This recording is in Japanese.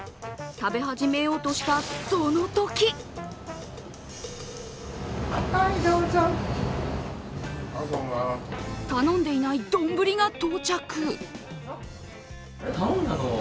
食べ始めようとしたそのとき頼んでいない丼が到着。